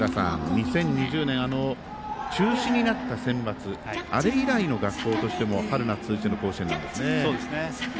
２０２０年中止になったセンバツあれ以来の、学校としても春夏通じての甲子園なんですね。